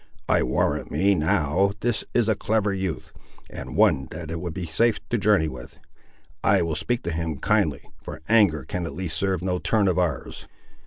I warrant me, now, this is a clever youth, and one that it would be safe to journey with! I will speak to him kindly, for anger can at least serve no turn of ours.